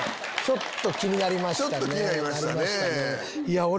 ちょっと気になりましたね。